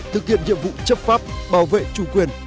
thực hiện nhiệm vụ chấp pháp bảo vệ chủ quyền